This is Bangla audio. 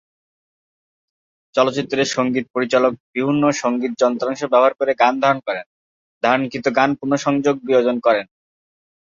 চলচ্চিত্রে সঙ্গীত পরিচালক বিভিন্ন সঙ্গীত যন্ত্রাংশ ব্যবহার করে গান ধারণ করেন, ধারণকৃত গান পুনঃসংযোজন-বিয়োজন করেন।